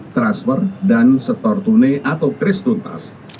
transfer dan store tune atau kris tuntas